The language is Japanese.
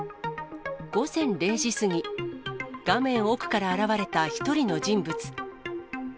午前０時過ぎ、画面奥から現れた１人の人物。